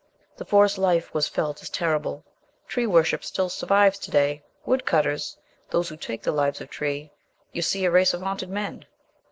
The forest life was felt as terrible. Tree worship still survives to day. Wood cutters... those who take the life of trees... you see a race of haunted men...."